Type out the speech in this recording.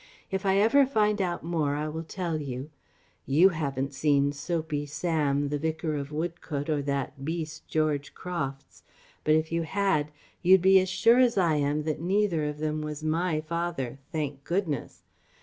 If I ever find out more I will tell you. You haven't seen 'Soapy Sam,' the Vicar of Woodcote, or that beast, George Crofts; but if you had, you'd be as sure as I am that neither of them was my father thank goodness!